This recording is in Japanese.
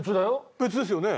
別ですよね？